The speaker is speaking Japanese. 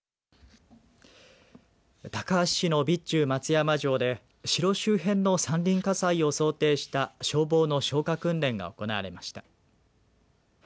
高梁市の備中松山城で城周辺の山林火災を想定した消防の消火訓練が行われました。